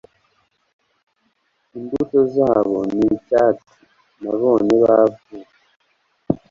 imbuto zabo z'icyatsi, nabonye bavutse